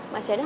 masih ada gak